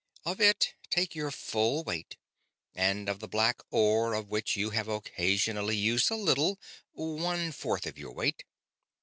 "Of it take your full weight. And of the black ore of which you have occasionally used a little, one fourth of your weight